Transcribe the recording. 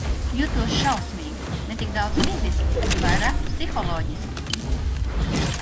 Jutos šausmīgi – ne tik daudz fiziski, bet vairāk psiholoģiski.